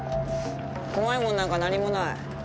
怖いものなんか何もない。